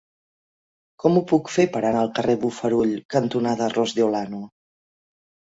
Com ho puc fer per anar al carrer Bofarull cantonada Ros de Olano?